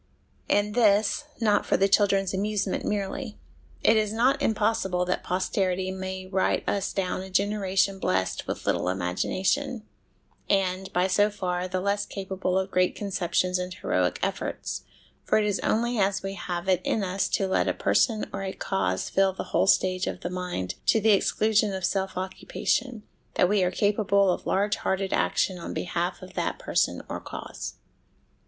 And this, not for the children's amusement merely: it is not impossible that posterity may write us down a generation blest with little imagination, and, by so far, the less capable of great conceptions and heroic SOME HABITS OF MIND SOME MORAL HABITS 153 efforts, for it is only as we have it in us to let a person or a cause fill the whole stage of the mind, to the exclusion of self occupation, that we are capable of large hearted action on behalf of that person or cause.